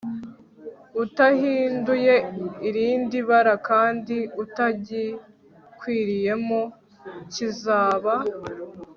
utahinduye irindi bara kandi utagikwiriyemo kizaba